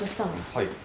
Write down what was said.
はい。